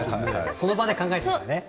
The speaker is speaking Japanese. その場で考えてるんだよね。